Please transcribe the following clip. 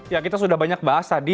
ya kita sudah banyak bahas tadi